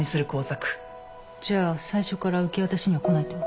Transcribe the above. じゃあ最初から受け渡しには来ないと？